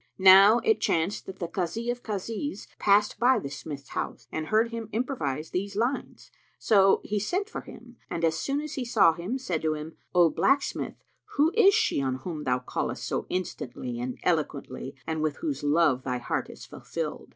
Now it chanced that the Kazi of Kazis passed by the smith's house and heard him improvise these lines; so he sent for him and as soon as he saw him said to him, "O blacksmith, who is she on whom thou callest so instantly and eloquently and with whose love thy heart is full filled?"